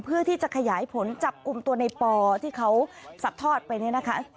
เพื่อที่จะขยายผลจับกลุ่มตัวในปอที่เขาสัดทอดไปเนี่ยนะคะ